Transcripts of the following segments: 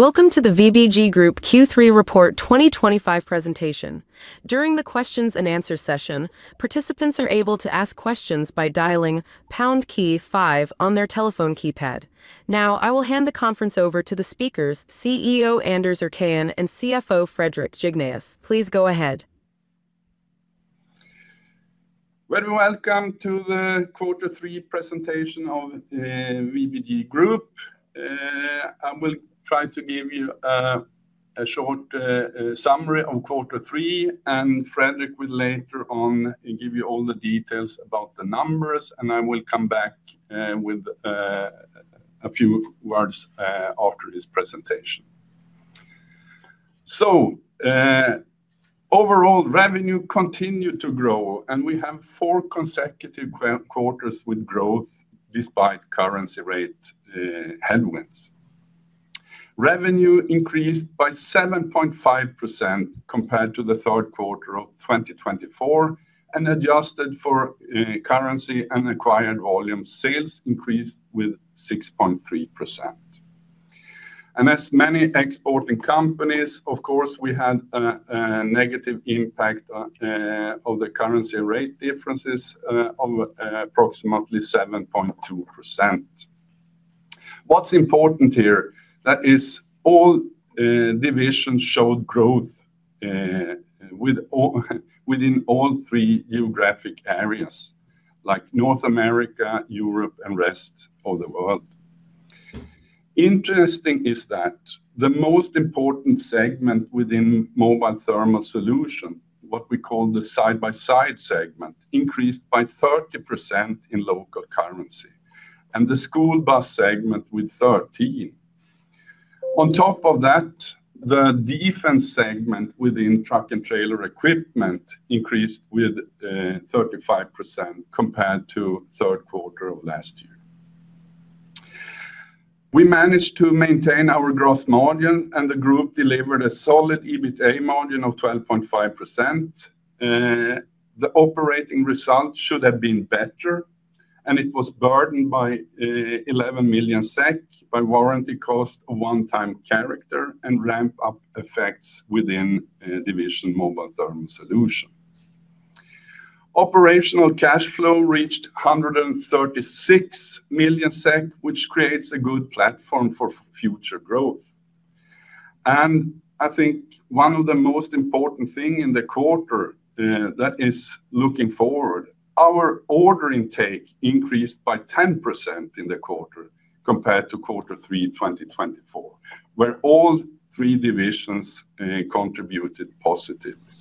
Welcome to the VBG Group Q3 Report 2025 presentation. During the questions and answers session, participants are able to ask questions by dialing pound key five on their telephone keypad. Now, I will hand the conference over to the speakers, CEO Anders Erkén and CFO Fredrik Jignéus. Please go ahead. Very welcome to the quarter three presentation of VBG Group. I will try to give you a short summary on quarter three, and Fredrik will later on give you all the details about the numbers. I will come back with a few words after his presentation. Overall, revenue continued to grow, and we have four consecutive quarters with growth despite currency rate headwinds. Revenue increased by 7.5% compared to the third quarter of 2024 and adjusted for currency and acquired volume. Sales increased with 6.3%. As many exporting companies, of course, we had a negative impact of the currency rate differences of approximately 7.2%. What's important here is that all divisions showed growth within all three geographic areas, like North America, Europe, and the rest of the world. Interesting is that the most important segment within Mobile Thermal Solutions, what we call the side-by-side segment, increased by 30% in local currency, and the school bus segment with 13%. On top of that, the defense segment within Truck and Trailer Equipment increased with 35% compared to the third quarter of last year. We managed to maintain our gross margin, and the group delivered a solid EBITDA margin of 12.5%. The operating result should have been better, and it was burdened by 11 million SEK by warranty cost of one-time character and ramp-up effects within the division Mobile Thermal Solutions. Operational cash flow reached 136 million SEK, which creates a good platform for future growth. I think one of the most important things in the quarter that is looking forward, our order intake increased by 10% in the quarter compared to quarter three 2024, where all three divisions contributed positively.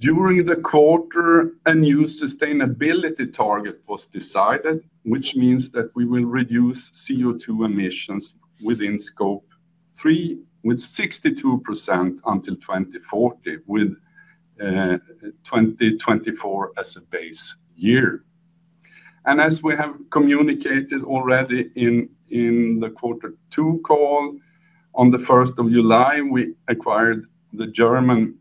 During the quarter, a new sustainability target was decided, which means that we will reduce CO2 emissions within Scope 3 with 62% until 2040, with 2024 as a base year. As we have communicated already in the quarter two call, on the 1st of July, we acquired the German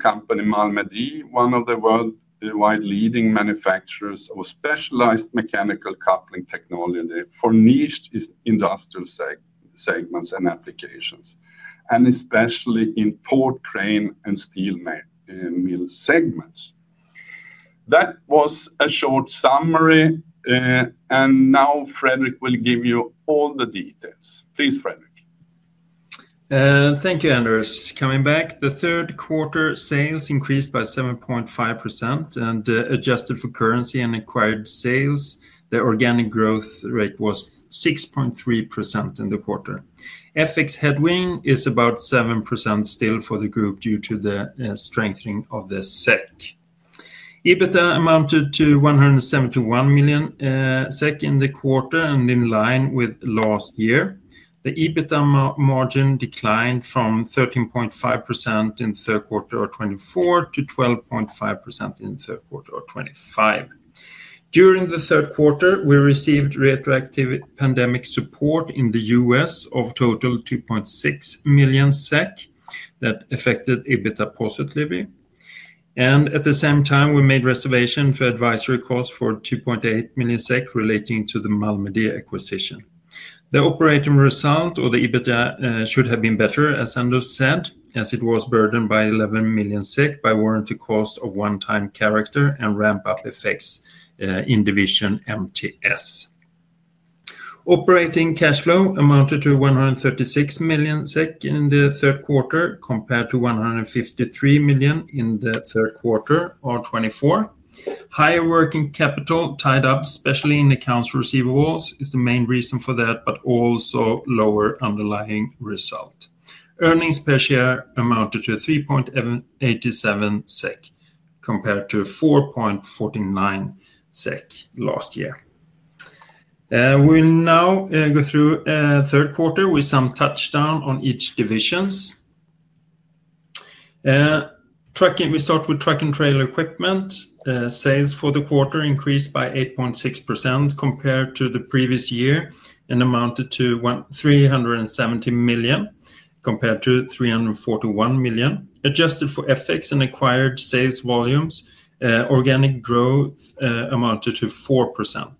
company Malmedie, one of the worldwide leading manufacturers of specialized mechanical coupling technology for niche industrial segments and applications, and especially in port crane and steel mill segments. That was a short summary, and now Fredrik will give you all the details. Please, Fredrik. Thank you, Anders. Coming back, the third quarter sales increased by 7.5% and adjusted for currency and acquired sales. The organic growth rate was 6.3% in the quarter. FX headwind is about 7% still for the group due to the strengthening of the SEK. EBITDA amounted to 171 million SEK in the quarter and in line with last year. The EBITDA margin declined from 13.5% in the third quarter of 2024 to 12.5% in the third quarter of 2025. During the third quarter, we received retroactive pandemic support in the U.S. of a total of 2.6 million SEK that affected EBITDA positively. At the same time, we made reservations for advisory costs for 2.8 million SEK relating to the Malmedie acquisition. The operating result or the EBITDA should have been better, as Anders said, as it was burdened by 11 million by warranty cost of one-time character and ramp-up effects in division MTS. Operating cash flow amounted to 136 million SEK in the third quarter compared to 153 million in the third quarter of 2024. Higher working capital tied up, especially in accounts receivables, is the main reason for that, but also lower underlying results. Earnings per share amounted to 3.87 SEK compared to 4.49 SEK last year. We'll now go through the third quarter with some touchdowns on each division. We start with Truck and Trailer Equipment. Sales for the quarter increased by 8.6% compared to the previous year and amounted to 370 million compared to 341 million. Adjusted for FX and acquired sales volumes, organic growth amounted to 4%.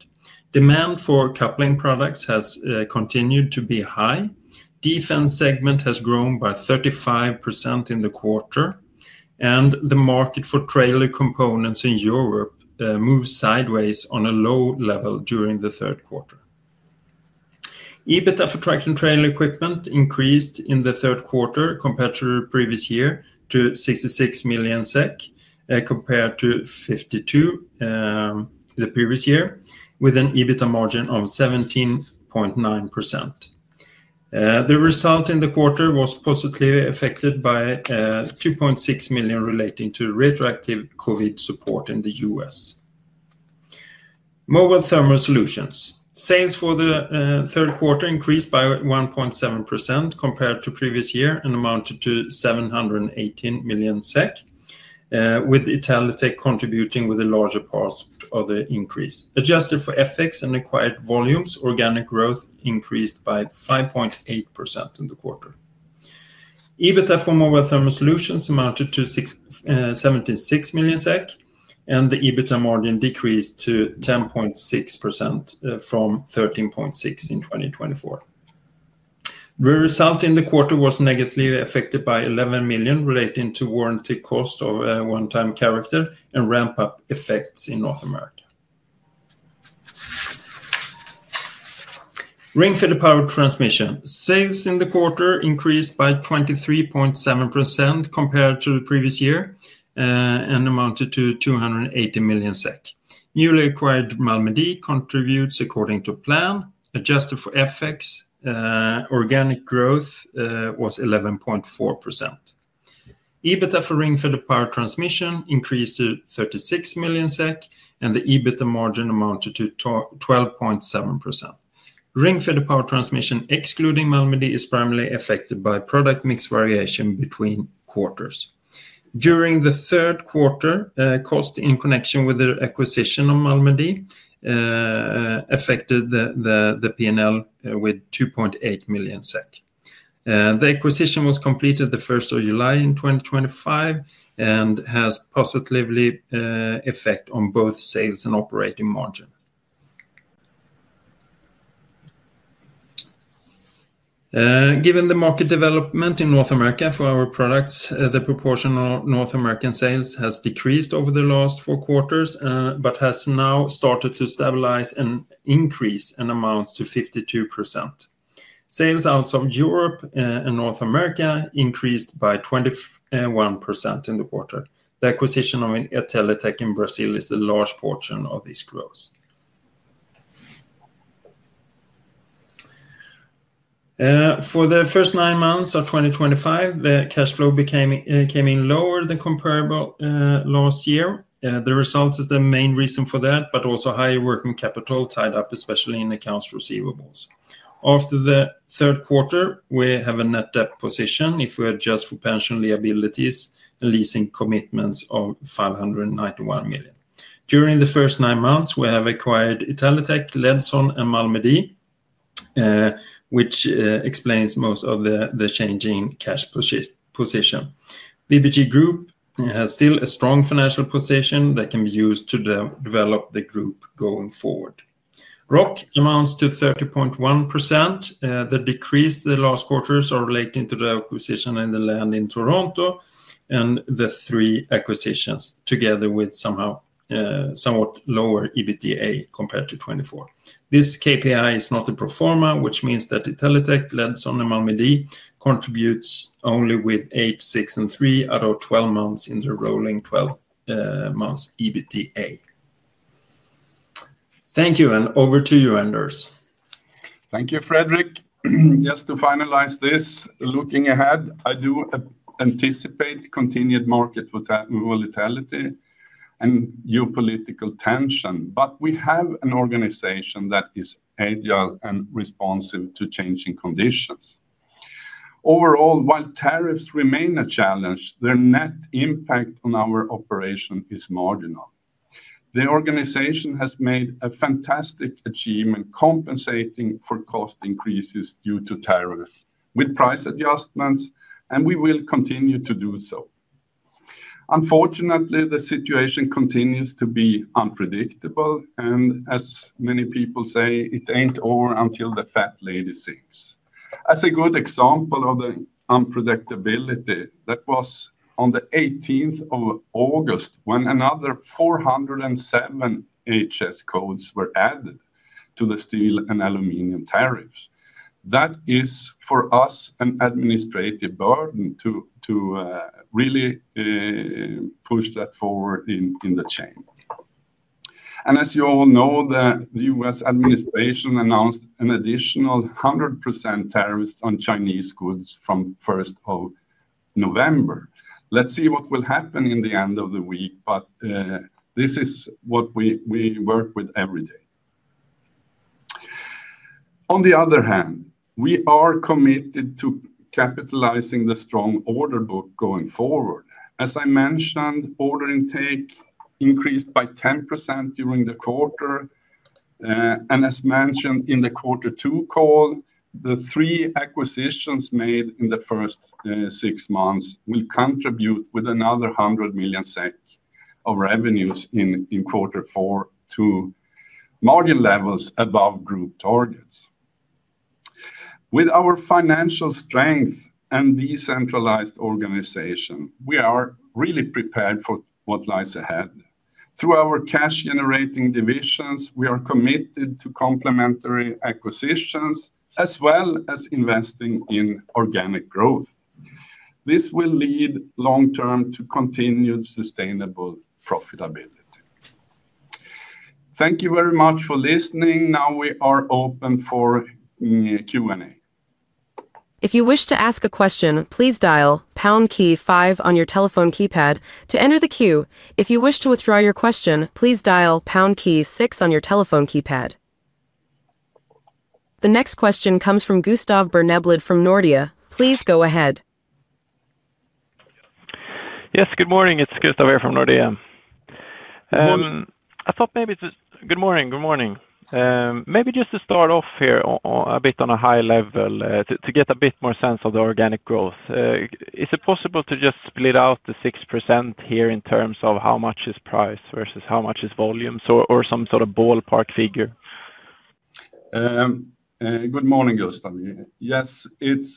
Demand for coupling products has continued to be high. Defense segment has grown by 35% in the quarter, and the market for trailer components in Europe moved sideways on a low level during the third quarter. EBITDA for Truck and Trailer Equipment increased in the third quarter compared to the previous year to 66 million SEK compared to 52 million the previous year, with an EBITDA margin of 17.9%. The result in the quarter was positively affected by 2.6 million relating to retroactive COVID support in the U.S. Mobile Thermal Solutions. Sales for the third quarter increased by 1.7% compared to the previous year and amounted to 718 million SEK, with Italytec contributing with a larger part of the increase. Adjusted for FX and acquired volumes, organic growth increased by 5.8% in the quarter. EBITDA for Mobile Thermal Solutions amounted to 17.6 million SEK, and the EBITDA margin decreased to 10.6% from 13.6% in 2024. The result in the quarter was negatively affected by 11 million relating to warranty cost of one-time character and ramp-up effects in North America. Ringfeder Power Transmission sales in the quarter increased by 23.7% compared to the previous year and amounted to 280 million SEK. Newly acquired Malmedie contributes according to plan. Adjusted for FX, organic growth was 11.4%. EBITDA for Ringfeder Power Transmission increased to 36 million SEK, and the EBITDA margin amounted to 12.7%. Ringfeder Power Transmission, excluding Malmedie, is primarily affected by product mix variation between quarters. During the third quarter, cost in connection with the acquisition of Malmedie affected the P&L with 2.8 million SEK. The acquisition was completed the 1st of July in 2025 and has a positive effect on both sales and operating margin. Given the market development in North America for our products, the proportion of North American sales has decreased over the last four quarters but has now started to stabilize and increase and amount to 52%. Sales outside Europe and North America increased by 21% in the quarter. The acquisition of Italytec in Brazil is a large portion of this growth. For the first nine months of 2025, the cash flow came in lower than comparable last year. The result is the main reason for that, but also higher working capital tied up, especially in accounts receivables. After the third quarter, we have a net debt position if we adjust for pension liabilities and leasing commitments of 591 million. During the first nine months, we have acquired Italytec, Ledson, and Malmedie, which explains most of the changing cash position. VBG Group has still a strong financial position that can be used to develop the group going forward. ROCE amounts to 30.1%. The decrease in the last quarters is related to the acquisition of the land in Toronto and the three acquisitions, together with somewhat lower EBITDA compared to 2024. This KPI is not a performer, which means that Italytec, Ledson, and Malmedie contributes only with 8, 6, and 3 out of 12 months in the rolling 12-month EBITDA. Thank you, and over to you, Anders. Thank you, Fredrik. Just to finalize this, looking ahead, I do anticipate continued market volatility and geopolitical tension, but we have an organization that is agile and responsive to changing conditions. Overall, while tariffs remain a challenge, their net impact on our operation is marginal. The organization has made a fantastic achievement compensating for cost increases due to tariffs with price adjustments, and we will continue to do so. Unfortunately, the situation continues to be unpredictable, and as many people say, it ain't over until the fat lady sings. A good example of the unpredictability was on the 18th of August when another 407 HS codes were added to the steel and aluminum tariffs. That is for us an administrative burden to really push that forward in the chain. As you all know, the U.S. administration announced an additional 100% tariffs on Chinese goods from the 1st of November. Let's see what will happen at the end of the week, but this is what we work with every day. On the other hand, we are committed to capitalizing on the strong order book going forward. As I mentioned, order intake increased by 10% during the quarter, and as mentioned in the quarter two call, the three acquisitions made in the first six months will contribute with another 100 million SEK of revenues in quarter four to margin levels above group targets. With our financial strength and decentralized organization, we are really prepared for what lies ahead. Through our cash-generating divisions, we are committed to complementary acquisitions as well as investing in organic growth. This will lead long-term to continued sustainable profitability. Thank you very much for listening. Now we are open for Q&A. If you wish to ask a question, please dial pound key five on your telephone keypad to enter the queue. If you wish to withdraw your question, please dial pound key six on your telephone keypad. The next question comes from Gustav Berneblad from Nordea. Please go ahead. Yes, good morning. It's Gustav here from Nordea. Good morning, good morning. Maybe just to start off here a bit on a high level to get a bit more sense of the organic growth. Is it possible to just split out the 6% here in terms of how much is price versus how much is volume or some sort of ballpark figure? Good morning, Gustav. Yes, if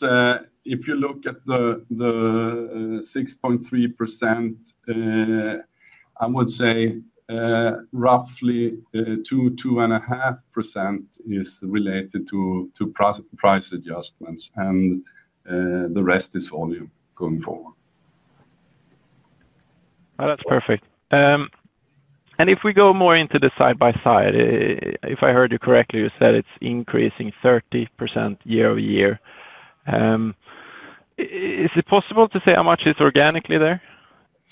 you look at the 6.3%, I would say roughly 2%-2.5% is related to price adjustments, and the rest is volume going forward. That's perfect. If we go more into the side by side, if I heard you correctly, you said it's increasing 30% year over year. Is it possible to say how much is organically there?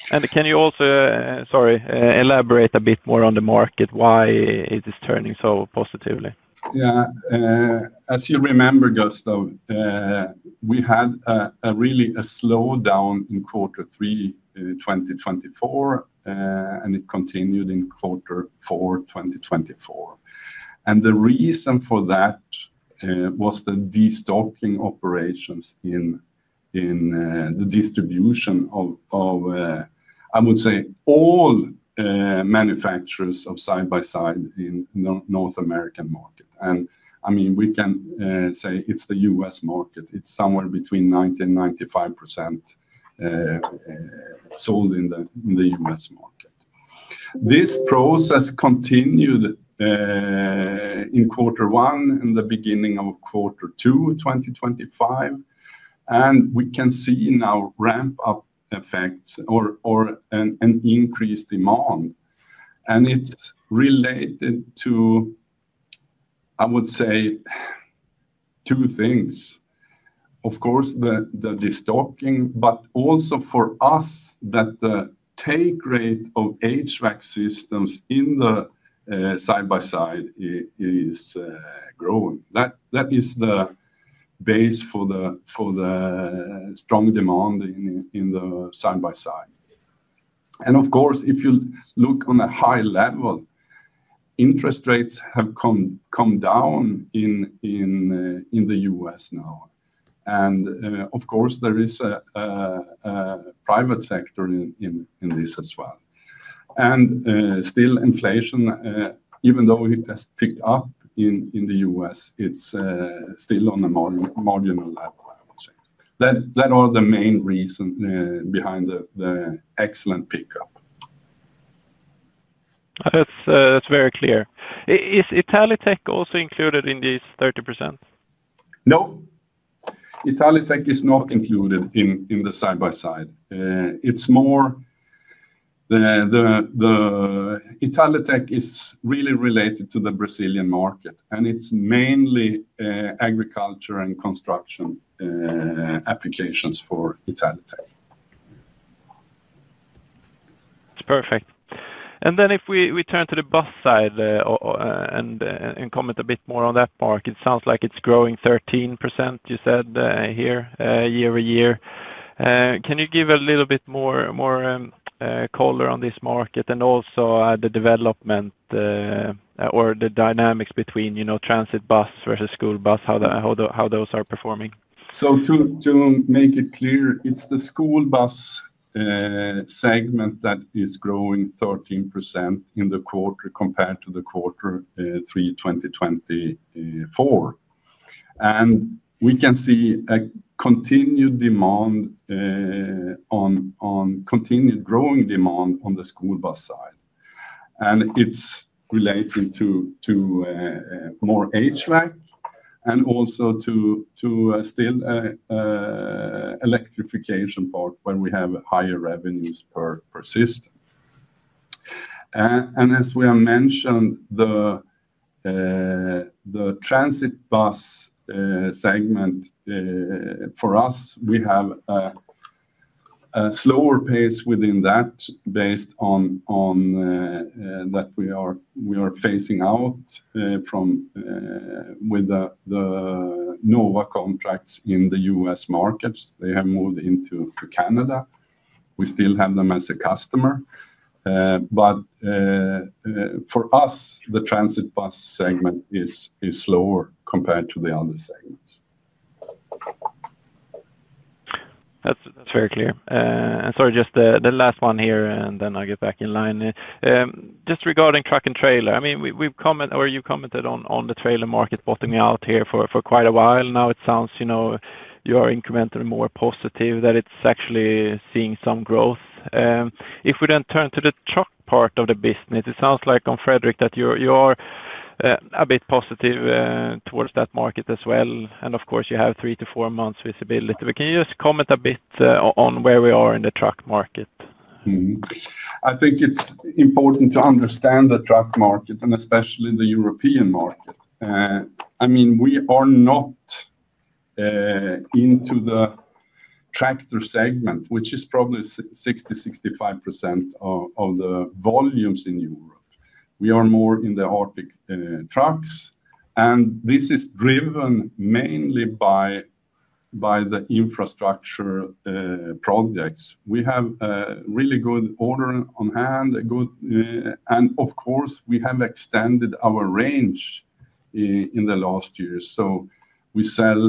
Can you also elaborate a bit more on the market, why it is turning so positively? As you remember, Gustav, we had really a slowdown in quarter three 2024, and it continued in quarter four 2024. The reason for that was the destocking operations in the distribution of, I would say, all manufacturers of side-by-side in the North American market. I mean, we can say it's the U.S. market. It's somewhere between 90% and 95% sold in the U.S. market. This process continued in quarter one and the beginning of quarter two 2025, and we can see now ramp-up effects or an increased demand. It's related to, I would say, two things. Of course, the destocking, but also for us that the take rate of HVAC systems in the side-by-side is growing. That is the base for the strong demand in the side-by-side. If you look on a high level, interest rates have come down in the U.S. now. There is a private sector in this as well. Still, inflation, even though it has picked up in the U.S., is still on a marginal level, I would say. Those are the main reasons behind the excellent pickup. That's very clear. Is Italytec also included in these 30%? No, Italytec is not included in the side-by-side. It's more Italytec is really related to the Brazilian market, and it's mainly agriculture and construction applications for Italytec. That's perfect. If we turn to the bus side and comment a bit more on that market, it sounds like it's growing 13% year over year. Can you give a little bit more color on this market and also the development or the dynamics between transit bus versus school bus, how those are performing? To make it clear, it's the school bus segment that is growing 13% in the quarter compared to quarter three 2024. We can see a continued growing demand on the school bus side. It's relating to more HVAC and also to still the electrification part where we have higher revenues per system. As we mentioned, the transit bus segment for us, we have a slower pace within that based on that we are phasing out with the Nova contracts in the U.S. markets. They have moved into Canada. We still have them as a customer. For us, the transit bus segment is slower compared to the other segments. That's very clear. Sorry, just the last one here, and then I'll get back in line. Just regarding Truck & Trailer, I mean, we've commented or you commented on the trailer market bottoming out here for quite a while. Now it sounds you are incrementally more positive that it's actually seeing some growth. If we then turn to the truck part of the business, it sounds like, Fredrik, that you are a bit positive towards that market as well. Of course, you have three to four months visibility. Can you just comment a bit on where we are in the truck market? I think it's important to understand the truck market and especially the European market. I mean, we are not into the tractor segment, which is probably 60%-65% of the volumes in Europe. We are more in the Arctic trucks, and this is driven mainly by the infrastructure projects. We have a really good order on hand. We have extended our range in the last year, so we sell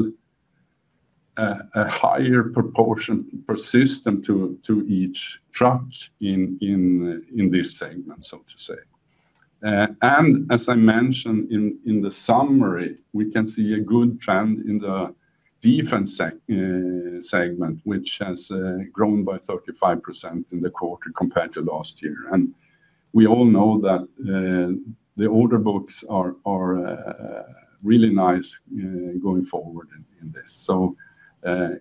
a higher proportion per system to each truck in this segment, so to say. As I mentioned in the summary, we can see a good trend in the defense segment, which has grown by 35% in the quarter compared to last year. We all know that the order books are really nice going forward in this.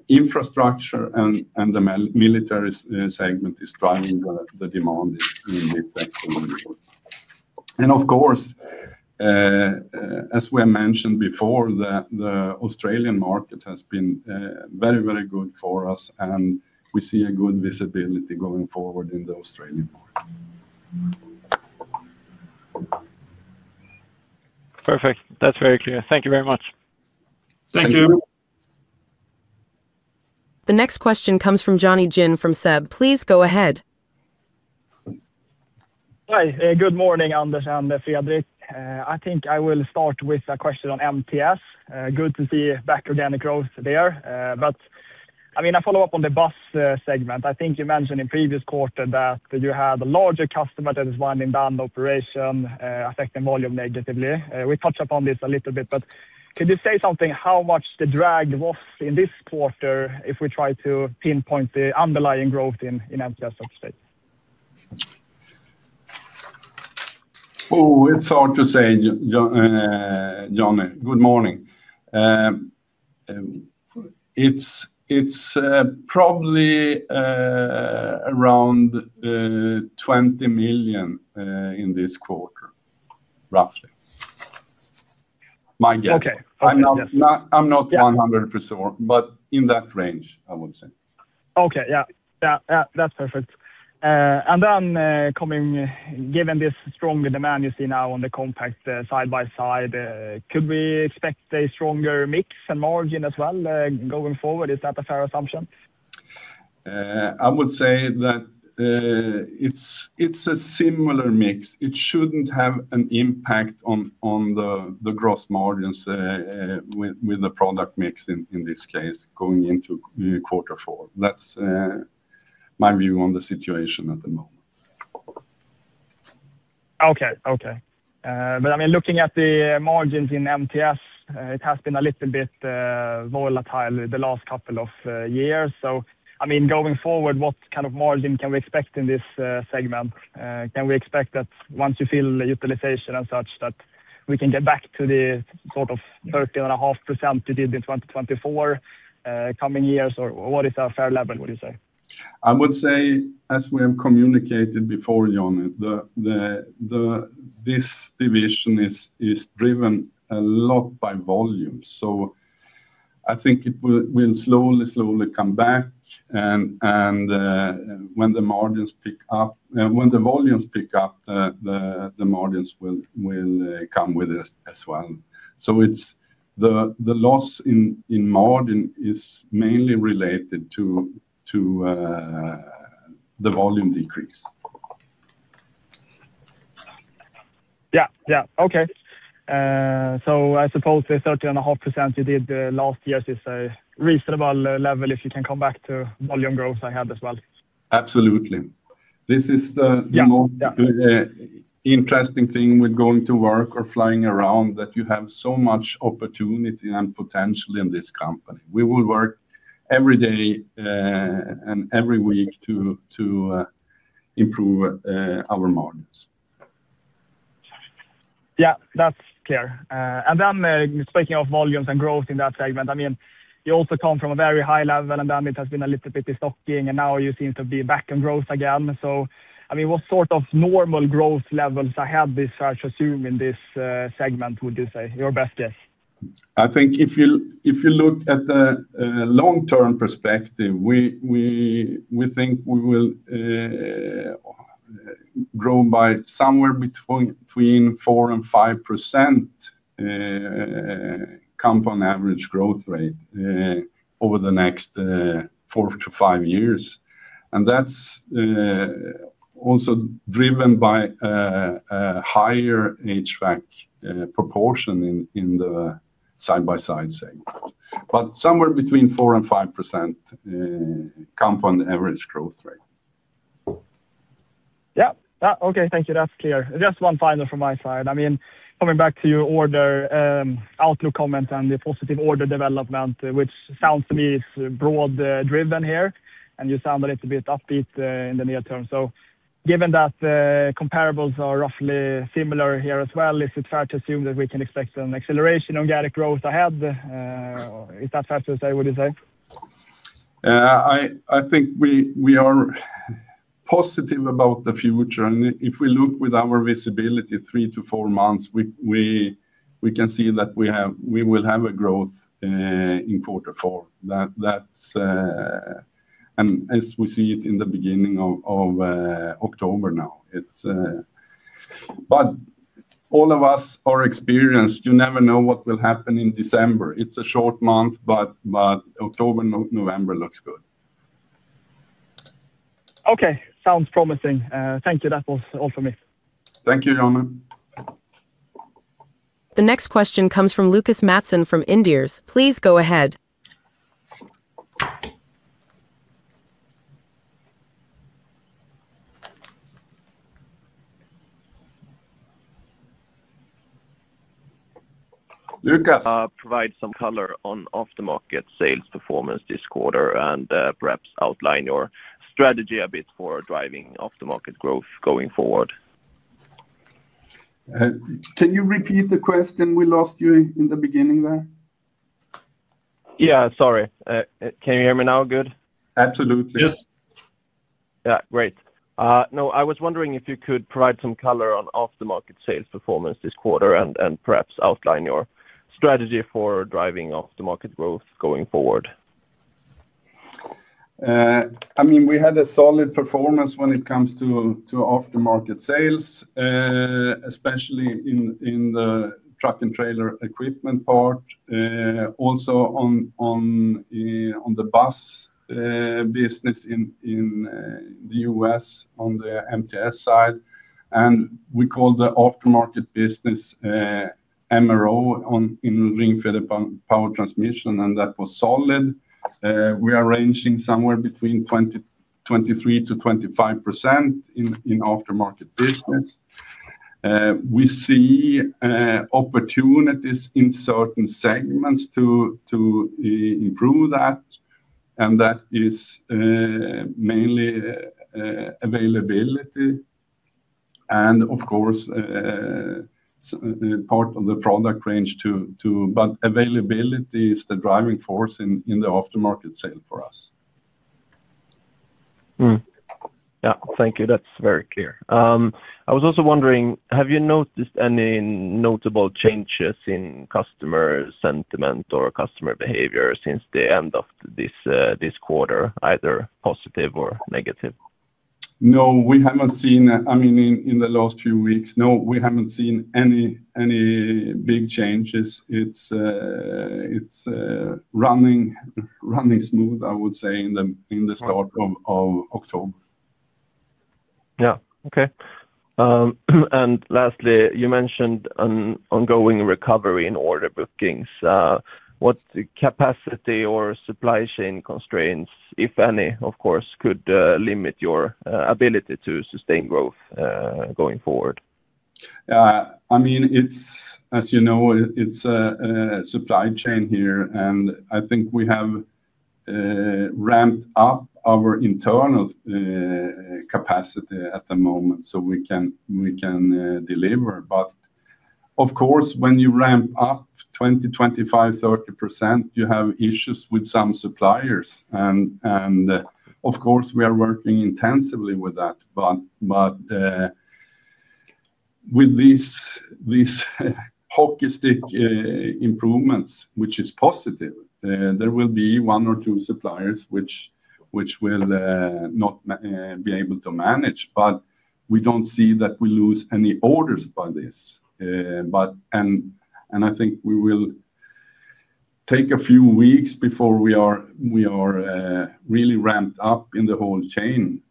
Infrastructure and the military segment is driving the demand in this sector in Europe. As we mentioned before, the Australian market has been very, very good for us, and we see a good visibility going forward in the Australian market. Perfect. That's very clear. Thank you very much. Thank you. The next question comes from Jonny Jin from SEB. Please go ahead. Hi, good morning, Anders and Fredrik. I think I will start with a question on MTS. Good to see back organic growth there. I follow up on the bus segment. I think you mentioned in the previous quarter that you had a larger customer that is winding down the operation, affecting volume negatively. We touched upon this a little bit, could you say something how much the drag was in this quarter if we try to pinpoint the underlying growth in MTS, so to say? It's hard to say, Jonny. Good morning. It's probably around 20 million in this quarter, roughly. My guess. I'm not 100%, but in that range, I would say. Yeah, that's perfect. Given this stronger demand you see now on the compact side by side, could we expect a stronger mix and margin as well going forward? Is that a fair assumption? I would say that it's a similar mix. It shouldn't have an impact on the gross margins with the product mix in this case going into quarter four. That's my view on the situation at the moment. Okay. I mean, looking at the margins in MTS, it has been a little bit volatile the last couple of years. I mean, going forward, what kind of margin can we expect in this segment? Can we expect that once you fill the utilization and such, that we can get back to the sort of 13.5% we did in 2024 coming years, or what is our fair level, would you say? I would say, as we have communicated before, Jonny, this division is driven a lot by volume. I think it will slowly, slowly come back. When the margins pick up, when the volumes pick up, the margins will come with it as well. The loss in margin is mainly related to the volume decrease. Yeah, okay. I suppose the 13.5% you did last year is a reasonable level if you can come back to volume growth ahead as well. Absolutely. This is the most interesting thing with going to work or flying around, that you have so much opportunity and potential in this company. We will work every day and every week to improve our margins. That's clear. Speaking of volumes and growth in that segment, you also come from a very high level, and it has been a little bit of stocking, and now you seem to be back in growth again. What sort of normal growth levels ahead is assumed in this segment, would you say, your best guess? I think if you look at the long-term perspective, we think we will grow by somewhere between 4%-5% compound average growth rate over the next four to five years. That is also driven by a higher HVAC proportion in the side-by-side segment. Somewhere between 4%-5% compound average growth rate. Thank you. That's clear. Just one final from my side. I mean, coming back to your order outlook comment and the positive order development, which sounds to me is broad-driven here, and you sound a little bit upbeat in the near term. Given that the comparables are roughly similar here as well, is it fair to assume that we can expect an acceleration in organic growth ahead? Is that fair to say, would you say? I think we are positive about the future. If we look with our visibility three to four months, we can see that we will have a growth in quarter four, as we see it in the beginning of October now. All of us are experienced. You never know what will happen in December. It's a short month, but October and November looks good. Okay, sounds promising. Thank you. That was all for me. Thank you, Jonny. The next question comes from Lucas Mattsson from Inderes. Please go ahead. Provide some color on aftermarket sales performance this quarter and perhaps outline your strategy a bit for driving aftermarket growth going forward. Can you repeat the question? We lost you in the beginning there. Sorry, can you hear me now? Good. Absolutely. Great. I was wondering if you could provide some color on aftermarket sales performance this quarter and perhaps outline your strategy for driving aftermarket growth going forward. I mean, we had a solid performance when it comes to aftermarket sales, especially in the Truck and Trailer Equipment part, also on the bus business in the U.S. on the MTS side. We called the aftermarket business MRO in Ringfeder Power Transmission, and that was solid. We are ranging somewhere between 23%-25% in aftermarket business. We see opportunities in certain segments to improve that, and that is mainly availability and, of course, part of the product range too. Availability is the driving force in the aftermarket sale for us. Thank you. That's very clear. I was also wondering, have you noticed any notable changes in customer sentiment or customer behavior since the end of this quarter, either positive or negative? No, we haven't seen, I mean, in the last few weeks, no, we haven't seen any big changes. It's running smooth, I would say, in the start of October. Okay. Lastly, you mentioned an ongoing recovery in order bookings. What capacity or supply chain constraints, if any, could limit your ability to sustain growth going forward? Yeah, I mean, as you know, it's a supply chain here, and I think we have ramped up our internal capacity at the moment so we can deliver. Of course, when you ramp up 20%, 25%, 30%, you have issues with some suppliers. We are working intensively with that. With these hockey stick improvements, which is positive, there will be one or two suppliers which will not be able to manage. We don't see that we lose any orders by this. I think we will take a few weeks before we are really ramped up in the whole chain.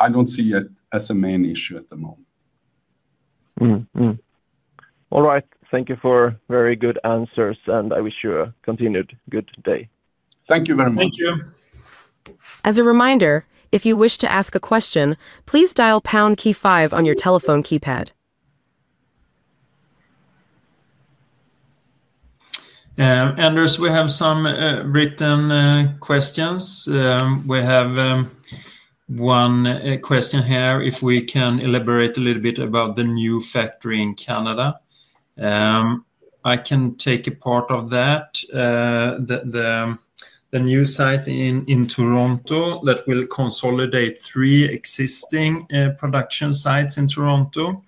I don't see it as a main issue at the moment. All right. Thank you for very good answers, and I wish you a continued good day. Thank you very much. Thank you. As a reminder, if you wish to ask a question, please dial pound key five on your telephone keypad. We have some written questions. We have one question here if we can elaborate a little bit about the new factory in Canada. I can take a part of that. The new site in Toronto that will consolidate three existing production sites in Toronto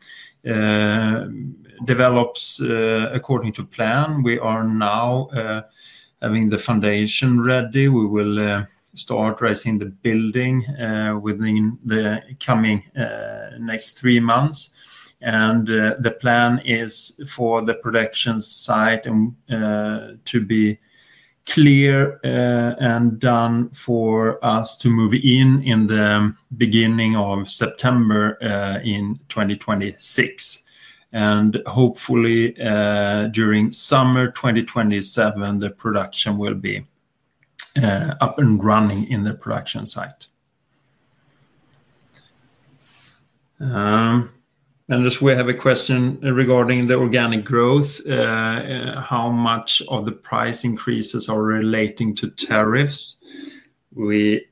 develops according to plan. We are now having the foundation ready. We will start raising the building within the coming next three months. The plan is for the production site to be clear and done for us to move in in the beginning of September in 2026. Hopefully, during summer 2027, the production will be up and running in the production site. As we have a question regarding the organic growth, how much of the price increases are relating to tariffs? We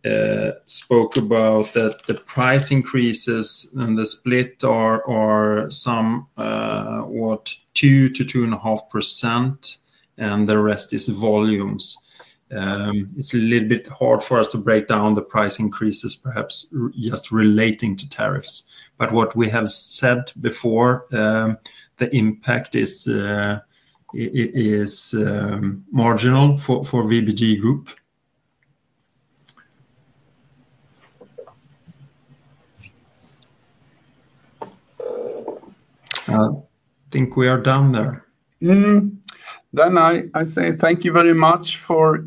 spoke about that the price increases and the split are some, what, 2% -2.5%, and the rest is volumes. It's a little bit hard for us to break down the price increases, perhaps just relating to tariffs. What we have said before, the impact is marginal for VBG Group. I think we are done there. I say thank you very much for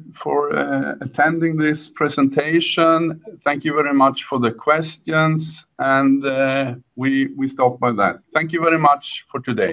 attending this presentation. Thank you very much for the questions, and we stop by that. Thank you very much for today.